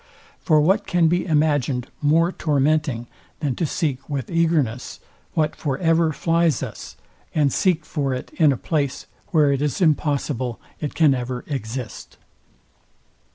For what can be imagined more tormenting, than to seek with eagerness, what for ever flies us; and seek for it in a place, where it is impossible it can ever exist?